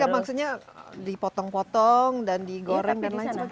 ya maksudnya dipotong potong dan digoreng dan lain sebagainya